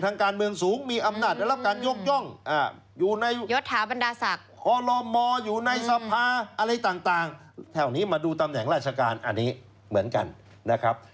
แถวนี้มาดูตำแหน่งราชการนี่เหมือนกันนะครับ